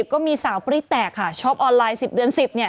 ก็มีสาวปรี๊ดแตกค่ะช็อปออนไลน์๑๐เดือน๑๐เนี่ย